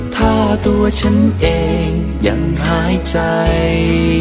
ถ้าตัวฉันเองยังหายใจ